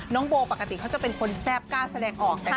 น้องโบก็จะเป็นคนแซ่บกล้าแสดงสร้างออก